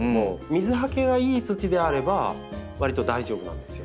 水はけがいい土であればわりと大丈夫なんですよ。